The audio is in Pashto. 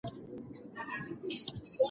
وریجې بیا تودول کله ناکله خطرناک وي.